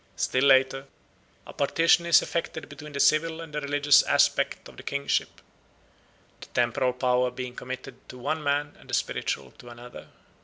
Still later, a partition is effected between the civil and the religious aspect of the kingship, the temporal power being committed to one man and the spiritual to another.